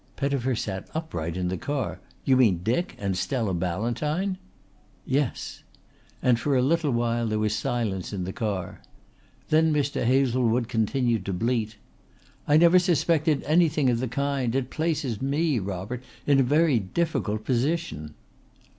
Pettifer sat upright in the car. "You mean Dick and Stella Ballantyne?" "Yes." And for a little while there was silence in the car. Then Mr. Hazlewood continued to bleat. "I never suspected anything of the kind. It places me, Robert, in a very difficult position."